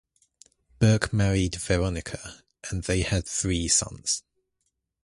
Burke married Veronica and they had three sons.